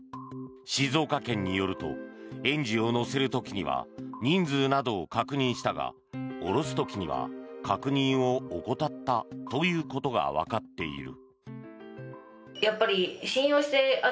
静岡県によると園児を乗せる時には人数などを確認したが降ろす時には確認を怠ったということがわかっている。